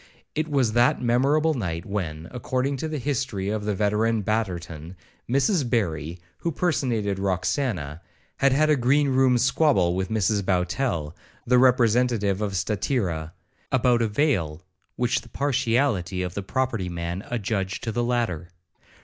It was that memorable night, when, according to the history of the veteran Betterton,1 Mrs Barry, who personated Roxana, had a green room squabble with Mrs Bowtell, the representative of Statira, about a veil, which the partiality of the property man adjudged to the latter.